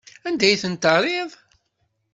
Anda ay tent-terriḍ?